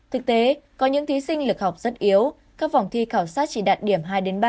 thực tế có những thí sinh lực học rất yếu các vòng thi khảo sát chỉ đạt điểm hai ba